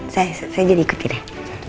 saya jadi ikuti deh